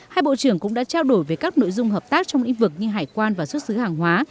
hai bộ trưởng cũng đã trao đổi về các nội dung hợp tác trong lĩnh vực như hải quan và xuất xứ hàng hóa